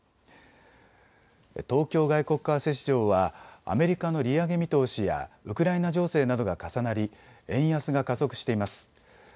東京外国為替市場はアメリカの利上げ見通しやウクライナ情勢などが重なり円安が加速しています。